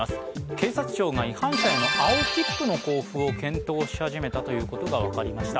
警察庁が違反者への青切符の交付を検討し始めたということが分かりました。